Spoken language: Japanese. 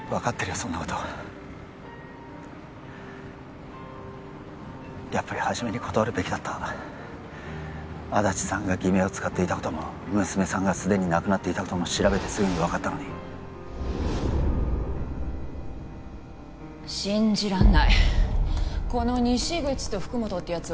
そんなことやっぱりはじめに断るべきだった安達さんが偽名を使っていたことも娘さんが既に亡くなっていたことも調べてすぐに分かったのに信じらんないこの西口と福本ってヤツは